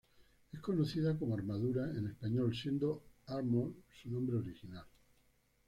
Es conocida como "Armadura" en español, siendo "Armor" su nombre original.